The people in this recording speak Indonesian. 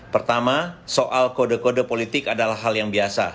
pertama soal kode kode politik adalah hal yang biasa